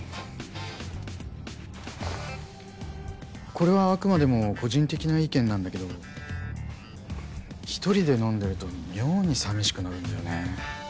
これはあくまでも個人的な意見なんだけど一人で飲んでると妙に寂しくなるんだよね。